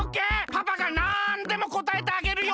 パパがなんでもこたえてあげるよん。